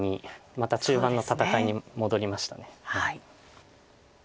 また中盤の戦いに戻りました。